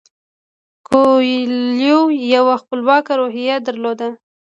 کویلیو یوه خپلواکه روحیه درلوده.